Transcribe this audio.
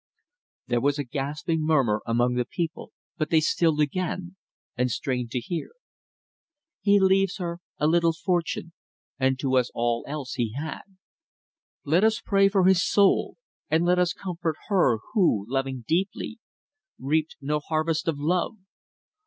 There was a gasping murmur among the people, but they stilled again, and strained to hear. "He leaves her a little fortune, and to us all else he had. Let us pray for his soul, and let us comfort her who, loving deeply, reaped no harvest of love.